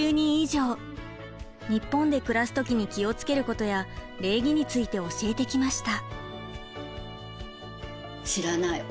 日本で暮らす時に気をつけることや礼儀について教えてきました。